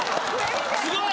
すごい！